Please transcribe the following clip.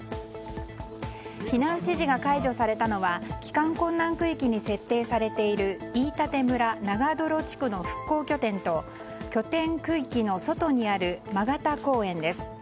避難指示が解除されたのは帰還困難区域に設定されている飯舘村長泥地区の復興拠点と拠点区域の外にある曲田公園です。